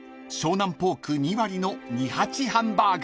湘南ポーク２割のにはちハンバーグ］